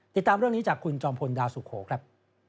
ติดตามเรื่องนี้จากคุณจอมพลดาวสุโขครับ